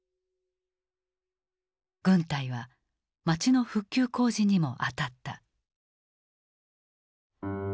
軍隊は街の復旧工事にも当たった。